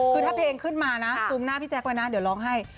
คือถ้าเพลงขึ้นมานะซุมหน้าพี่แจ๊คไว้นะเดี๋ยวร้องให้